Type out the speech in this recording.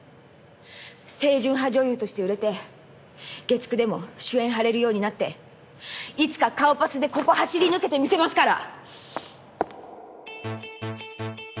清純派女優として売れて月９でも主演はれるようになっていつか顔パスでここ走り抜けてみせますから！